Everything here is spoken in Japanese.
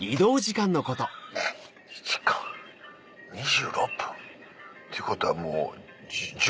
クッ２時間２６分？っていうことはもう。